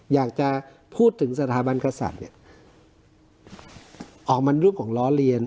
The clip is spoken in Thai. อยากจะพูดถึงสถาบันกษัตริย์เนี่ยออกมาเรื่องของล้อเลียน